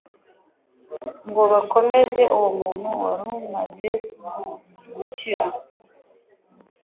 ngo bakomeze uwo muntu wari umaze gukira.